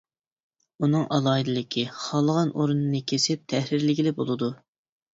ئۇنىڭ ئالاھىدىلىكى: خالىغان ئورۇننى كېسىپ تەھرىرلىگىلى بولىدۇ.